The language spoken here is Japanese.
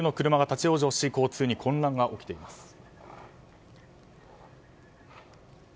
複数の車が立ち往生し交通に混乱が起きています。